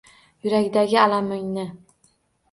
Yurakdagi alamingni